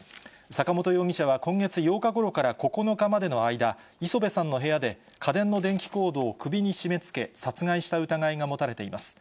坂本容疑者は今月８日ごろから９日までの間、礒辺さんの部屋で、家電の電気コードを首に締めつけ、殺害した疑いが持たれています。